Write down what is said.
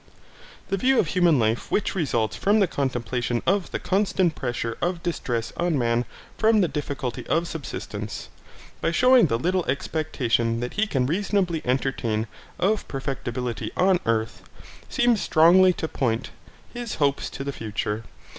The view of human life which results from the contemplation of the constant pressure of distress on man from the difficulty of subsistence, by shewing the little expectation that he can reasonably entertain of perfectibility on earth, seems strongly to point his hopes to the future.